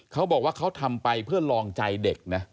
เขาบอกว่าเขาทำไปเพื่อลองใจเด็กนะ